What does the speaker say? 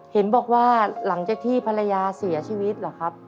เห็นบอกว่าหลังจากที่ภรรยาเสียชีวิตเหรอครับ